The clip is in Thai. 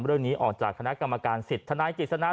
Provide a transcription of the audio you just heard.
เรื่องนี้ออกจากคณะกรรมการสิทธิทนายกิจสนา